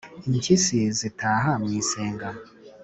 impyisi zitaha mu isenga